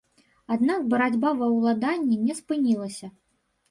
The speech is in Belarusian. Аднак барацьба ва ўладанні не спынілася.